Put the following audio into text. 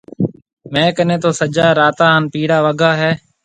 ميه ڪنَي تو سجا راتا هانَ پيڙا وگا هيَ۔